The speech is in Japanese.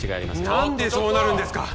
何でそうなるんですか！